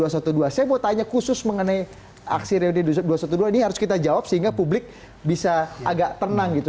saya mau tanya khusus mengenai aksi reuni dua ratus dua belas ini harus kita jawab sehingga publik bisa agak tenang gitu